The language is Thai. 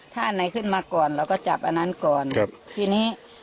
ถ้าไหนขึ้นมาก่อนเราก็จับอันนั้นปีนี้